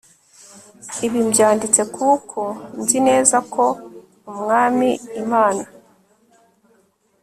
Ibi mbyanditse kuko nzi neza ko Umwami Imana